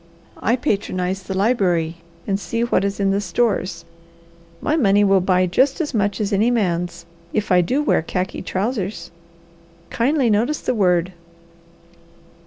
I patronize the library and see what is in the stores. My money will buy just as much as any man's, if I do wear khaki trousers. Kindly notice the word.